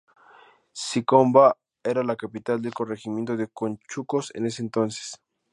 Piscobamba era la capital del corregimiento de Conchucos en ese entonces.